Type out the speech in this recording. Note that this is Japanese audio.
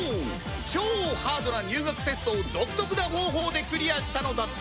超ハードな入学テストを独特な方法でクリアしたのだった